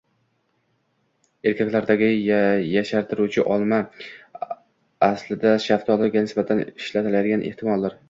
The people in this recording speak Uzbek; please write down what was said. Ertaklardagi “yashartiruvchi olma” aslida shaftoliga nisbatan ishlatilgandir, ehtimol